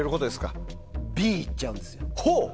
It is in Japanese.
Ｂいっちゃうんですよ。